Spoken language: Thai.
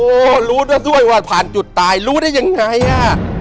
ก็รู้ได้ด้วยว่าผ่านจุดตายรู้ได้ยังไงอ่ะ